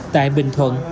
tại bình thuận